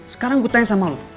sekarang gue tanya sama lo